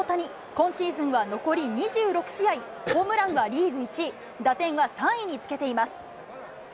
今シーズンは残り２６試合、ホームランはリーグ１位、打点は３位につけています。